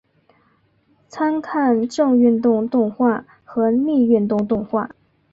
参看正运动动画和逆运动动画。